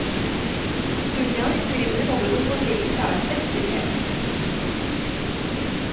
Ce lien est célébré dans de nombreux pays par la fête des pères.